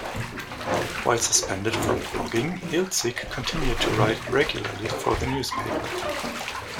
While suspended from blogging, Hiltzik continued to write regularly for the newspaper.